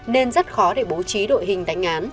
nên rất khó để bố trí đội hình đánh án